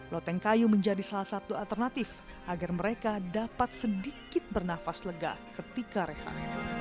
loteng kayu menjadi salah satu alternatif agar mereka dapat sedikit bernafas lega ketika rehat